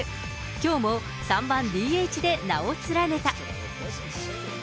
きょうも、３番ＤＨで名を連ねた。